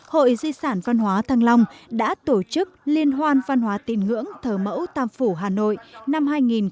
hội di sản văn hóa thăng long đã tổ chức liên hoàn văn hóa tín ngưỡng thở mẫu tam phủ hà nội năm hai nghìn một mươi bảy